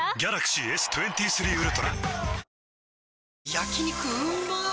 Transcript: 焼肉うまっ